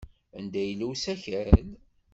Anda yella usakal?